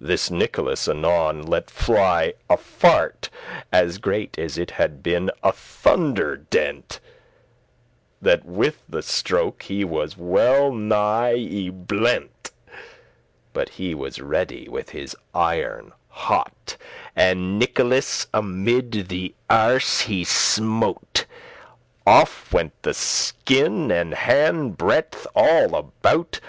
This Nicholas anon let fly a fart, As great as it had been a thunder dent*; *peal, clap That with the stroke he was well nigh y blent*; *blinded But he was ready with his iron hot, And Nicholas amid the erse he smote. Off went the skin an handbreadth all about.